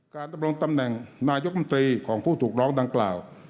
ดำรงตำแหน่งนายกรรมตรีของผู้ถูกร้องดังกล่าว